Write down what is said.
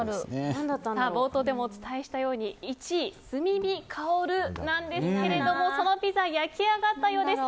冒頭でもお伝えしたように１位、炭火香るなんですけれどもそのピザ、焼きあがったようです。